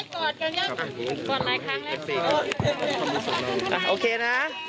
ขอบบททีมายนด์